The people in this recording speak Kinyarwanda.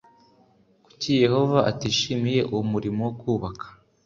Kuki Yehova atishimiye uwo murimo wo kubaka